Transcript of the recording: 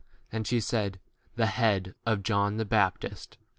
And she said, The head of John the 25 baptist.